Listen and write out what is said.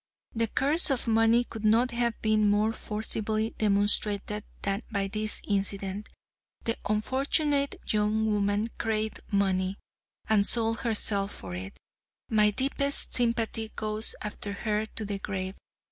The curse of money could not have been more forcibly demonstrated than by this incident. The unfortunate young woman craved money, and sold herself for it. My deepest sympathy goes after her to the grave.